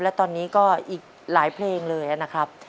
และตอนนี้ก็อีกหลายเพลงเลยนะครับ